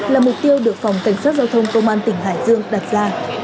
là mục tiêu được phòng cảnh sát giao thông công an tỉnh hải dương đặt ra